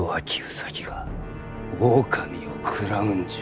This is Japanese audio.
兎が狼を食らうんじゃ。